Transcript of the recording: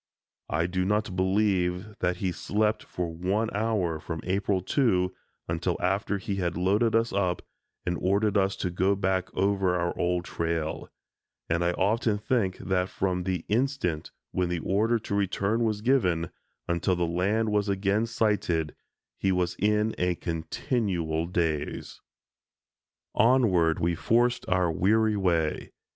I do not believe that he slept for one hour from April 2 until after he had loaded us up and ordered us to go back over our old trail, and I often think that from the instant when the order to return was given until the land was again sighted, he was in a continual daze. Onward we forced our weary way.